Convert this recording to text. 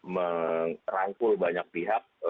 yang di rangkul banyak pihak